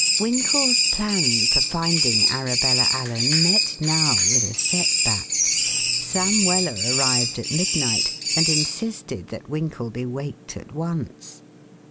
Winkle's plan for finding Arabella Allen met now with a set back. Sam Weller arrived at midnight and insisted that Winkle be waked at once.